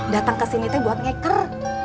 datang kesini buat ngeker